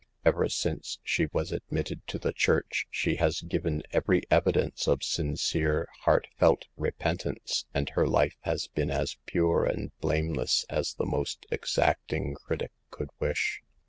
Ever since she was admit ted to the church she has given every evidence of sincere, heartfelt repentance, and her life has been as pure and blameless as the most ex acting critic could wish.